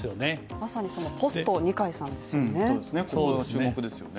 まさにポスト二階さんですね